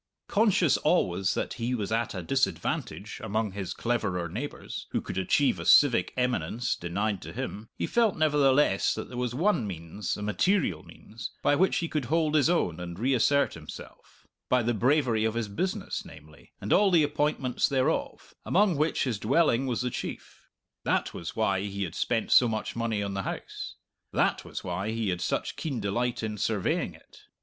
Conscious always that he was at a disadvantage among his cleverer neighbours, who could achieve a civic eminence denied to him, he felt nevertheless that there was one means, a material means, by which he could hold his own and reassert himself by the bravery of his business, namely, and all the appointments thereof, among which his dwelling was the chief. That was why he had spent so much money on the house. That was why he had such keen delight in surveying it.